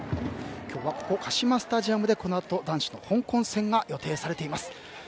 今日はここカシマスタジムでこのあと男子の香港戦が予定されています。